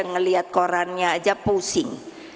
melihat korannya saja pusing